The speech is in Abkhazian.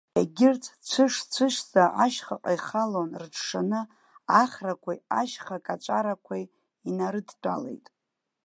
Егьырҭ цәышцәышӡа ашьхаҟа ихалан, рыҽшаны ахрақәеи ашьха каҵәарақәеи инарыдтәалеит.